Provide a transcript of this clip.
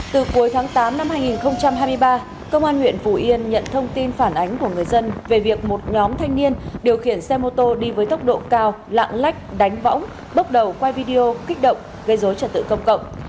từ cuối tháng tám năm hai nghìn hai mươi ba công an huyện phủ yên nhận thông tin phản ánh của người dân về việc một nhóm thanh niên điều khiển xe mô tô đi với tốc độ cao lạng lách đánh võng bốc đầu quay video kích động gây dối trật tự công cộng